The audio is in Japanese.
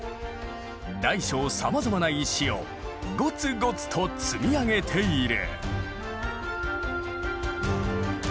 大小さまざまな石をごつごつと積み上げている。